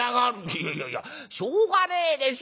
「いやいやいやしょうがねえでしょう。